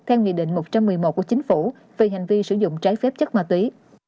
theo nghị định một trăm một mươi một của chính phủ về hành vi sử dụng trái phép chất ma túy